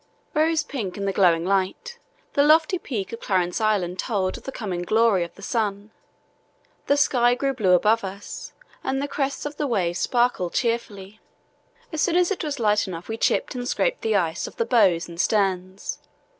Rose pink in the growing light, the lofty peak of Clarence Island told of the coming glory of the sun. The sky grew blue above us and the crests of the waves sparkled cheerfully. As soon as it was light enough we chipped and scraped the ice off the bows and sterns.